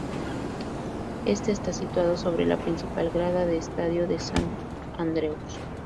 Este está situado sobre la principal grada de estadio de St Andrew's.